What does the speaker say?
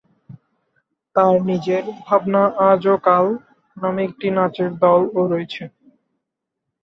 তার নিজের "ভাবনা আজ ও কাল" নামে একটি নাচের দলও আছে।